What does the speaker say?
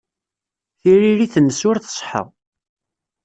Tiririt-nnes ur tṣeḥḥa.